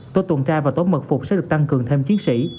tổ tuần tra và tổ mật phục sẽ được tăng cường thêm chiến sĩ